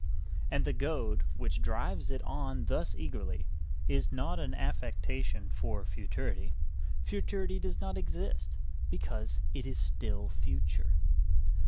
And the goad which drives it on thus eagerly is not an affectation for futurity Futurity does not exist, because it is still future.